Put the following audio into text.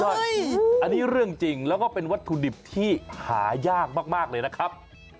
ใช่อันนี้เรื่องจริงแล้วก็เป็นวัตถุดิบที่หายากมากเลยนะครับ